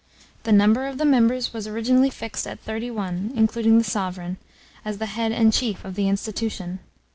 The number of the members was originally fixed at thirty one, including the sovereign, as the head and chief of the institution.